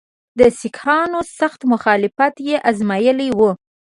د سیکهانو سخت مخالفت یې آزمېیلی وو.